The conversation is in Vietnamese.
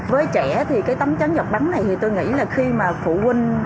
với trẻ thì cái tấm chắn giọt bắn này thì tôi nghĩ là khi mà phụ huynh